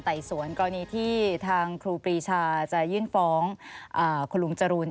สวนกรณีที่ทางครูปรีชาจะยื่นฟ้องคุณลุงจรูน